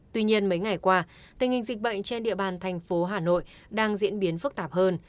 tuy nhiên mấy ngày qua tình hình dịch bệnh trên địa bàn thành phố hà nội đang diễn biến phức tạp hơn